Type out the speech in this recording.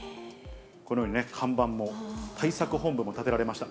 このようにね、看板も、対策本部もたてられました。